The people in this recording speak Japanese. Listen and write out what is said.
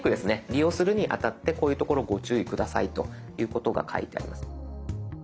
利用するにあたってこういうところご注意下さいということが書いてあります。